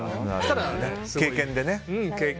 経験でね。